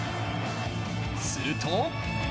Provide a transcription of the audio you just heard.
すると。